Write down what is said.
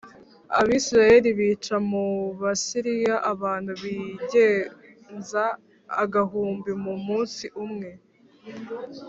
Abisirayeli bica mu Basiriya abantu bigenza agahumbi mu munsi umwe